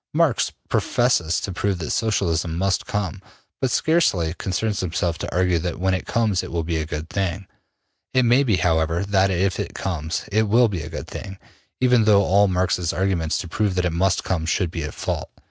Marx professes to prove that Socialism must come, but scarcely concerns himself to argue that when it comes it will be a good thing. It may be, however, that if it comes, it will be a good thing, even though all Marx's arguments to prove that it must come should be at fault.